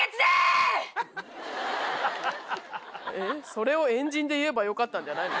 それを円陣で言えばよかったんじゃないの？